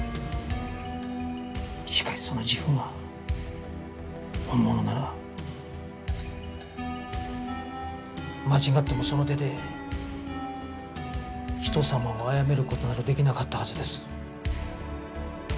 しかしその自負が本物なら間違ってもその手で人様を殺める事など出来なかったはずです。